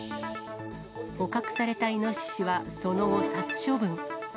捕獲されたイノシシは、その後、殺処分。